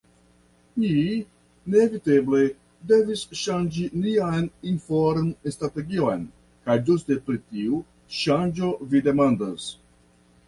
Ni neeviteble devis ŝanĝi nian informstrategion, kaj ĝuste pri tiu ŝanĝo vi demandas.